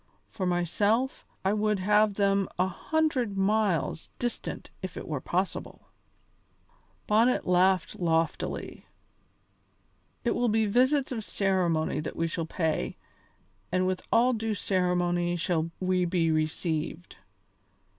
For myself, I would have them a hundred miles distant if it were possible." Bonnet laughed loftily. "It will be visits of ceremony that we shall pay, and with all due ceremony shall we be received.